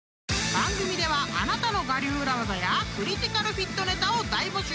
［番組ではあなたの我流裏技やクリティカルフィットネタを大募集！］